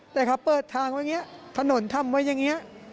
แต่เขาเปิดทางไว้อย่างนี้ถนนทำไว้อย่างนี้